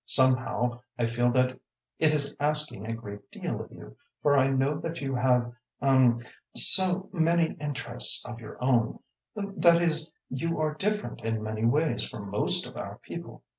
Somehow I feel that it is asking a great deal of you, for I know that you have er so many interests of your own that is, you are different in many ways from most of our people.